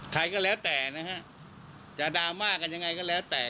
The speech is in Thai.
ใครก็แล้วแต่นะฮะจะดราม่ากันยังไงก็แล้วแต่